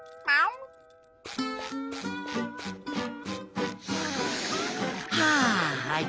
ああ。